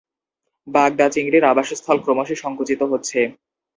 বাগদা চিংড়ির আবাসস্থল ক্রমশ সঙ্কুচিত হচ্ছে।